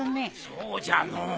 そうじゃのう。